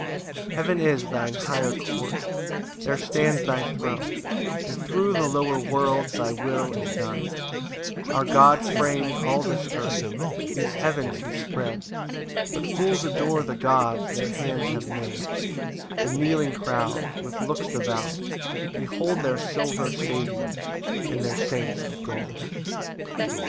2 Heaven is thine higher court; there stands thy throne, And thro' the lower worlds thy will is done: Our God fram'd all this earth, these heavens he spread, But fools adore the gods their hands have made: The kneeling crowd, with looks devout, behold Their silver saviours, and their saints of gold.